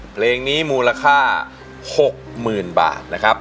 เพลงนี้มูลค่า๖๐๐๐บาทนะครับ